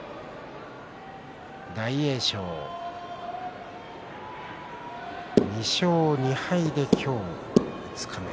大栄翔は２勝２敗で今日、五日目。